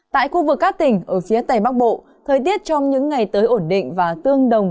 tại khu vực các tỉnh ở phía tây bắc bộ thời tiết trong những ngày tới ổn định và tương đồng